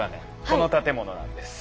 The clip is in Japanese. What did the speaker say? この建物なんです。